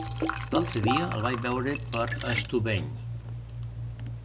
L'altre dia el vaig veure per Estubeny.